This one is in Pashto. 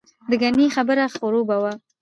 دګنې خبره خروبه وه.